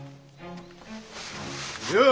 よう！